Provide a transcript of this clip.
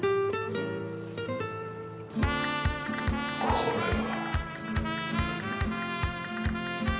これは。